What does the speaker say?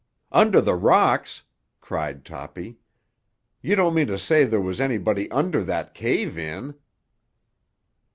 "Under the rocks!" cried Toppy. "You don't mean to say there was anybody under that cave in!"